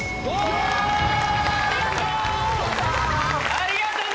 ありがとね！